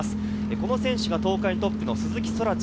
この選手が東海トップの鈴木天智。